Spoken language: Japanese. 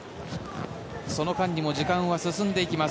その間にも時間は進んでいきます